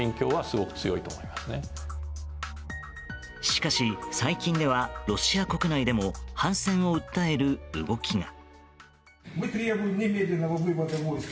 しかし、最近ではロシア国内でも反戦を訴える動きが。